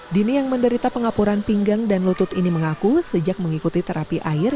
dini yang menderita pengapuran pinggang dan lutut ini mengaku sejak mengikuti terapi air